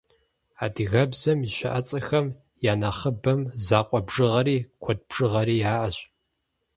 Адыгэбзэм и щыӏэцӏэхэм я нэхъыбэм закъуэ бжыгъэри, куэд бжыгъэри яӏэщ.